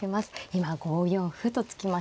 今５四歩と突きました。